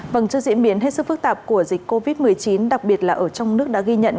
vâng trước diễn biến hết sức phức tạp của dịch covid một mươi chín đặc biệt là ở trong nước đã ghi nhận